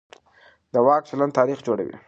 د واک چلند تاریخ جوړوي